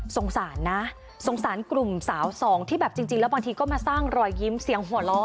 สงสารนะสงสารกลุ่มสาวสองที่แบบจริงแล้วบางทีก็มาสร้างรอยยิ้มเสียงหัวล้อ